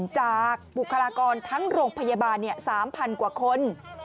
บุคลากรทั้งโรงพยาบาล๓๐๐๐กว่าคน